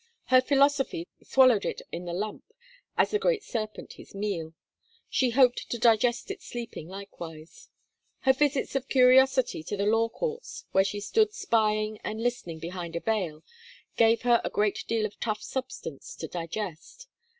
Her philosophy swallowed it in the lump, as the great serpent his meal; she hoped to digest it sleeping likewise. Her visits of curiosity to the Law Courts, where she stood spying and listening behind a veil, gave her a great deal of tough substance to digest.